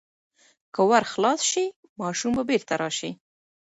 که ور خلاص شي، ماشوم به بیرته راشي.